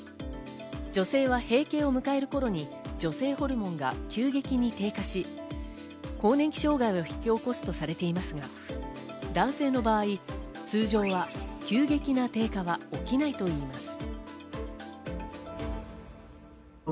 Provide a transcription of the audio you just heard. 女性は閉経を迎える頃に女性ホルモンが急激に低下し、更年期障害を引き起こすとされていますが、男性の場合、通常は急激な低下は起きないといいます。